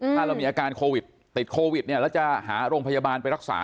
ถ้าเรามีอาการโควิดติดโควิดเนี่ยแล้วจะหาโรงพยาบาลไปรักษา